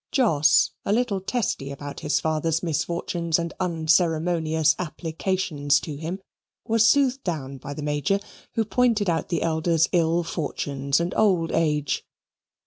Jos, a little testy about his father's misfortunes and unceremonious applications to him, was soothed down by the Major, who pointed out the elder's ill fortunes and old age.